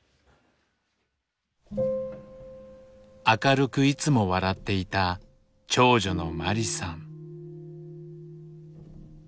明るくいつも笑っていた長女の麻里さん。